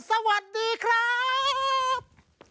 สวัสดีครับ